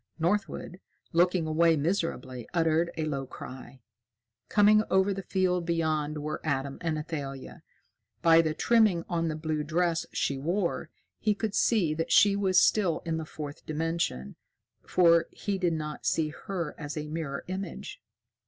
Northwood, looking away miserably, uttered a low cry. Coming over the field beyond were Adam and Athalia. By the trimming on the blue dress she wore, he could see that she was still in the Fourth Dimension, for he did not see her as a mirror image.